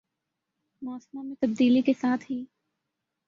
موسموں میں تبدیلی کے ساتھ ہی